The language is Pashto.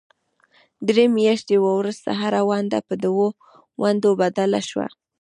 درې میاشتې وروسته هره ونډه پر دوو ونډو بدله شوه.